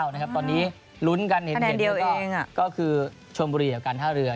๔๗๔๖๓๙นะครับตอนนี้ลุ้นกันเห็นเลยก็คือชมบุรีเหล่ากันท่าเรือ